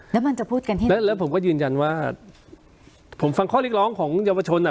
แล้วมันจะพูดกันที่ไหนแล้วผมก็ยืนยันว่าผมฟังข้อเรียกร้องของเยาวชนอ่ะ